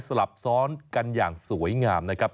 ลับซ้อนกันอย่างสวยงามนะครับ